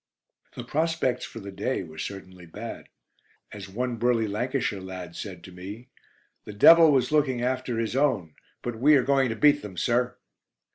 The prospects for "The Day" were certainly bad. As one burly Lancashire lad said to me: "the Devil was looking after his own; but we are going to beat them, sir."